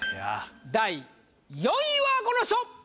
第４位はこの人！